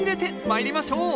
まいりましょう！